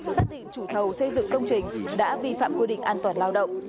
xác định chủ thầu xây dựng công trình đã vi phạm quy định an toàn lao động